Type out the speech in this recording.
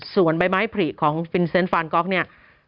ส่วนใบไม้ผลิของฟินเซนต์ฟานก๊อกเนี่ย